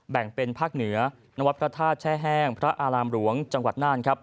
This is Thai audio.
แบ่งเป็นภาคเหนือนพเแช่แห้งพระอารามหลวงจน